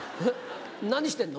何してんの？